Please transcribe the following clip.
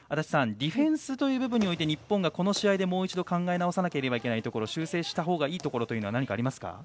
ディフェンスという部分においてこの試合でもう一度考え直さなければいけないところは何かありますか？